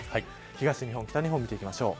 東日本北日本見ていきましょう。